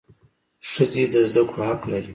ښځي د زده کړو حق لري.